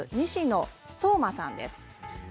西野颯真さんです。